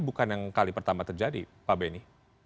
bukan yang kali pertama terjadi pak beni